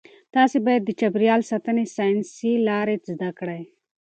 تاسي باید د چاپیریال ساتنې ساینسي لارې زده کړئ.